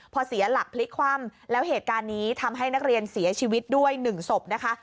พอเสียหลักพลิกคว่ำแล้วเหตุการณ์นี้ทำให้นักเรียนเสียชีวิตด้วย๑ศพนะคะ